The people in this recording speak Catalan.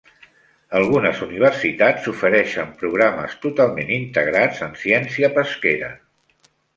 Algunes universitats ofereixen programes totalment integrats en ciència pesquera.